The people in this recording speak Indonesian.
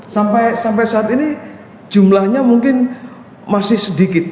sampai saat ini jumlahnya mungkin masih sedikit